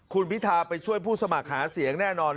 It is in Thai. คุณพิทาไปช่วยผู้สมัครหาเสียงแน่นอน